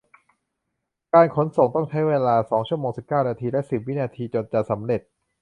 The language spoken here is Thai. การขนส่งต้องใช้เวลาสองชั่วโมงสิบเก้านาทีและสิบวินาทีจนจะสำเร็จ